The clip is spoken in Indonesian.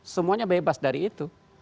semuanya bebas dari itu